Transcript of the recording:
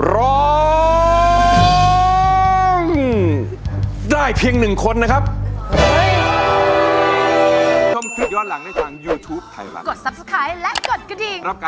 ร้องได้เพียง๑คนนะครับ